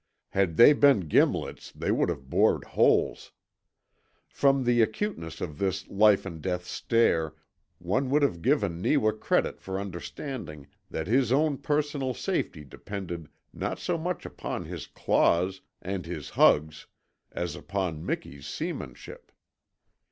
Had they been gimlets they would have bored holes. From the acuteness of this life and death stare one would have given Neewa credit for understanding that his own personal safety depended not so much upon his claws and his hug as upon Miki's seamanship.